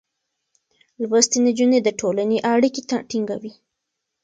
لوستې نجونې د ټولنې اړيکې ټينګوي.